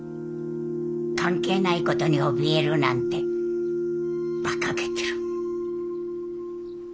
関係ないことにおびえるなんてばかげてる。